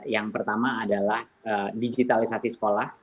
yang pertama adalah digitalisasi sekolah